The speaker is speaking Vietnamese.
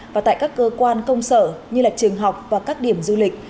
và tại các cơ quan công sở như trường học và các điểm du lịch